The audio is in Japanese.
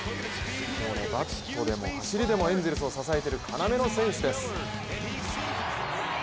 バットでも走りでもエンゼルスを支えてる要の選手です。